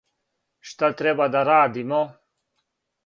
Шта треба да радимо?